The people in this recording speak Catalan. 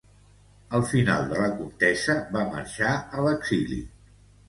Al final de la contesa, va marxar a l'exili.